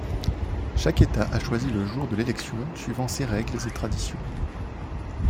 Chaque État a choisi le jour de l'élection suivant ses règles et traditions.